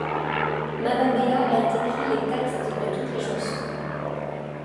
Mama Béa a écrit les textes de toutes les chansons.